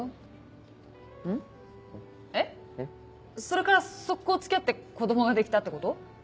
それから即行付き合って子供ができたってこと？